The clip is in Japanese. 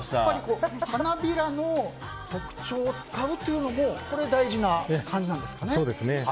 花びらの特徴を使うというのもこれ、大事な感じなんですかね。